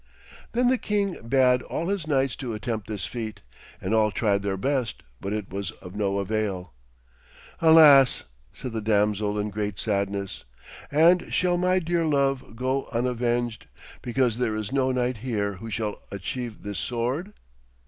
Then the king bade all his knights to attempt this feat, and all tried their best, but it was of no avail. 'Alas!' said the damsel in great sadness. 'And shall my dear love go unavenged, because there is no knight here who shall achieve this sword?'